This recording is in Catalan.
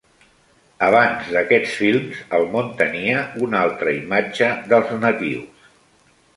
Abans d'aquests films, el món tenia una altra imatge dels natius.